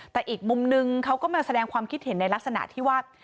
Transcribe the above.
แต่อีกมุมนึงเขาก็มาแสดงความคิดเห็นในลักษณะที่ว่า